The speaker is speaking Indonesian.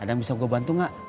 ada yang bisa gue bantu gak